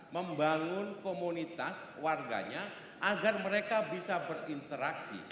membangun komunitas warganya agar mereka bisa berinteraksi